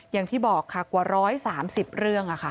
อย่างที่บอกค่ะกว่า๑๓๐เรื่อง